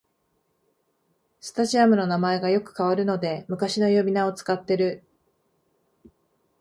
スタジアムの名前がよく変わるので昔の呼び名を使ってる